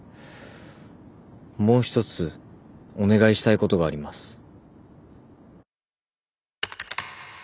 もう一つお願いしたいことがあります。